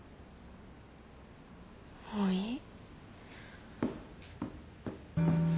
もういい。